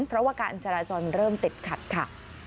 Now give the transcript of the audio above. เพราะว่าการจราจรเริ่มติดขัดค่ะ